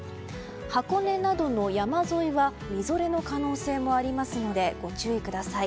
箱根などの山沿いはみぞれの可能性もありますのでご注意ください。